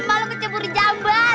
malu keceburi jambat